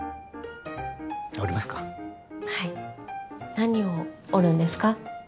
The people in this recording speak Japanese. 何を折るんですか？